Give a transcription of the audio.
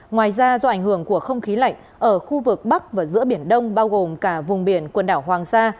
ngoài ra do ảnh hưởng của không khí lạnh ở khu vực bắc và giữa biển đông bao gồm cả vùng biển quần đảo hoàng sa